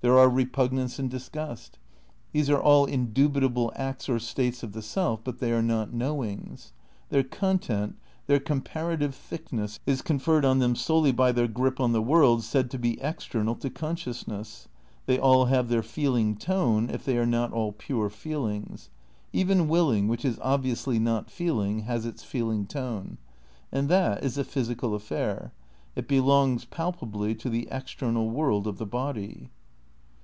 There are repugnance and disgust. These are all indubitable acts or states of the self, but they are not knoAvings. Their content, their comparative thickness, is conferred oil them solely by their grip on the world said to be external to consciousness. They all have their feeling tone, if they are not all pure feelings; even willing, which is obviously not feeling, has its feeling tone. . And that is a physical affair. It be longs, palpably, to the external world of the body.